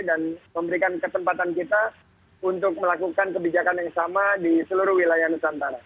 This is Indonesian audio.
dan memberikan kesempatan kita untuk melakukan kebijakan yang sama di seluruh wilayah nusantara